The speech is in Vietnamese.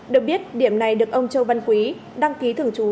được biết điểm này được ông châu văn quý đăng ký thưởng chú